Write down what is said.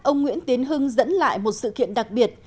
ông nguyễn tiến hưng dẫn lại một sự kiện đặc biệt